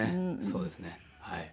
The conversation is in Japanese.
そうですねはい。